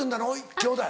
きょうだい。